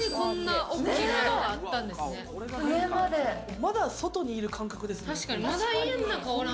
まだ外にいる感覚ですね。